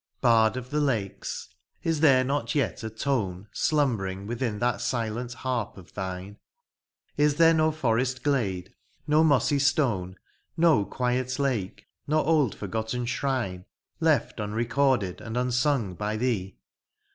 *Bard of the lakes, is there not yet a tone Slumbering within that sQent harp of thine, Is there no forest glade, no mossy stone. No quiet lake, nor old forgotten shrine. Left unrecorded and unsung by thee